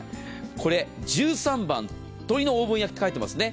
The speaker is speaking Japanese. これ、１３番鶏のオーブン焼きと書いていますね。